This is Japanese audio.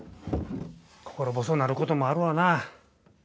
心細うなることもあるわな。